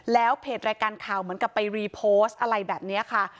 แล้วเพจรายการข่าวเหมือนกับไปรีโพสต์อะไรแบบนี้ค่ะ